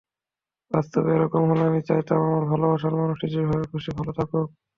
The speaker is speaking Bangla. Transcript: বাস্তবে এরকম হলে আমি চাইতাম, আমার ভালোবাসার মানুষটি যেভাবে খুশি ভালো থাকুক।